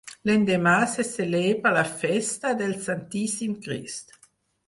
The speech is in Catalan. L'endemà se celebra la festa del Santíssim Crist.